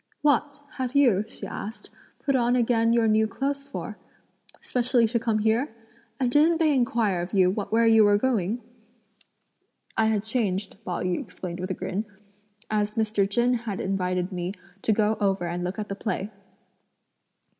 "What! have you," she asked, "put on again your new clothes for? specially to come here? and didn't they inquire of you where you were going?" "I had changed," Pao yü explained with a grin, "as Mr. Chen had invited me to go over and look at the play."